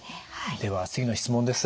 では次の質問です。